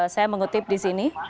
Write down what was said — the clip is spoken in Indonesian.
saya mengutip di sini